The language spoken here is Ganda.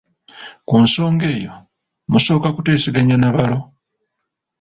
Ku nsonga eyo, musooka kuteesaganya na balo.